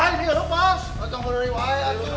untung gak banyak orang di bawah